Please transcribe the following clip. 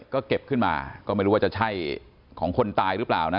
ก็เก็บขึ้นมาก็ไม่รู้ว่าจะใช่ของคนตายหรือเปล่านะ